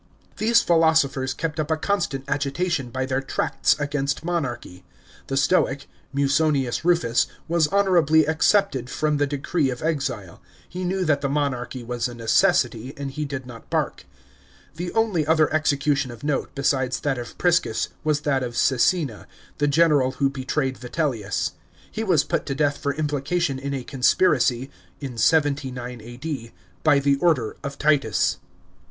These philosophers kept up a constant agitation by their tracts against monarchy. The Stoic, Musonius Kufus, was honourably excepted from the decree of exile ; he knew that the monarchy was a necessity, and he did not bark.f The only other execution of note, besides that of Priscus, was that of Csecina, the general who betrayed Vitellius. He was put to death for implication in a conspiracy (in 79 A.D.) by the order of Titus. § 5.